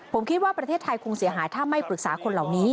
ผมคิดว่าประเทศไทยคงเสียหายถ้าไม่ปรึกษาคนเหล่านี้